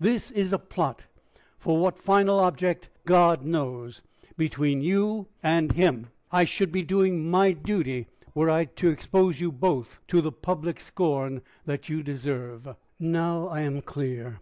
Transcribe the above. This is a plot for what final object, God knows between you and him! I should be doing my duty were I to expose you both to the public scorn you deserve." "Now I am clear!"